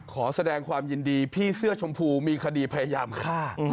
ขอแสดงความยินดีพี่เสื้อชมพูมีคดีพยายามฆ่า